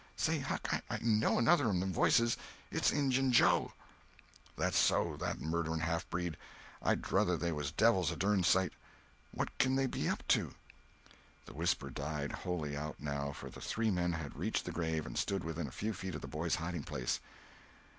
Say, Huck, I know another o' them voices; it's Injun Joe." "That's so—that murderin' half breed! I'd druther they was devils a dern sight. What kin they be up to?" The whisper died wholly out, now, for the three men had reached the grave and stood within a few feet of the boys' hiding place.